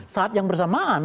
saat yang bersamaan